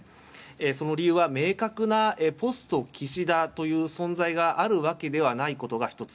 その理由は明確なポスト岸田という存在があるわけではないことが１つ。